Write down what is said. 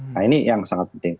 nah ini yang sangat penting